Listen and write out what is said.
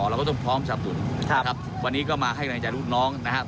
เราก็ต้องพร้อมสับปุ่นครับวันนี้ก็มาให้กำลังใจลูกน้องนะครับ